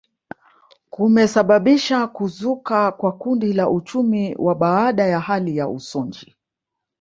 Kumesababisha kuzuka kwa kundi la uchumi wa baada ya hali ya usonji